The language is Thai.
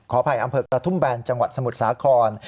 อภัยอำเภอกระทุ่มแบนจังหวัดสมุทรสาคร